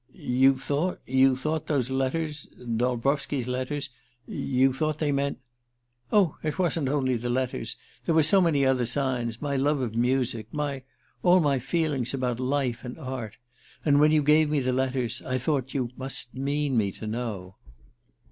"You thought you thought those letters ... Dolbrowski's letters ... you thought they meant ..." "Oh, it wasn't only the letters. There were so many other signs. My love of music my all my feelings about life ... and art... And when you gave me the letters I thought you must mean me to know."